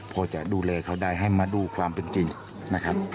พอจะดูแลเขาได้ให้มาดูความเป็นจริงนะครับ